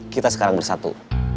kita sekarang bersatu